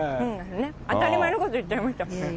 当たり前のこと言っちゃいました。